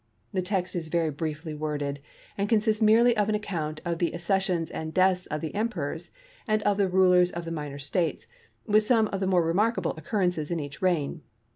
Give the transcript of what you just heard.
The text is very briefly worded, and consists merely of an account of the accessions and deaths of the emperors and of the rulers of the minor states, with some of the more remarkable occurrences in each reign.